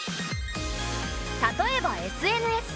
例えばＳＮＳ。